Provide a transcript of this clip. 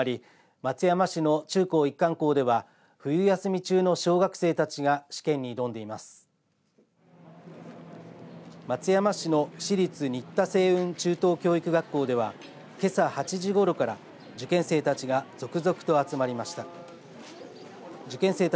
松山市の私立新田青雲中等教育学校ではけさ８時ごろから受験生たちが続々と集まりました。